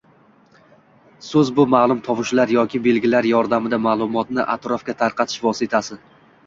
So‘z bu maʼlum tovushlar yoki belgilar yordamida maʼlumotni atrofga tarqatish vositasi.